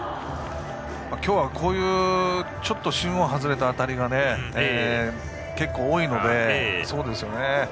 今日はちょっと芯を外れた当たりが結構多いので。